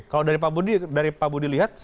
kalau dari pak budi dari pak budi lihat